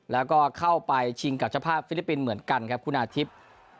แล้วก็เข้าไปชิงกับเจ้าภาพฟิลิปปินส์เหมือนกันครับคุณอาทิตย์